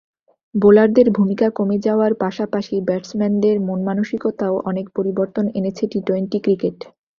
বোলারদের ভূমিকা কমে যাওয়ার পাশাপাশি ব্যাটসম্যানদের মনমানসিকতায়ও অনেক পরিবর্তন এনেছে টি-টোয়েন্টি ক্রিকেট।